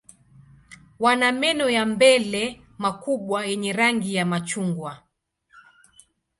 Wana meno ya mbele makubwa yenye rangi ya machungwa.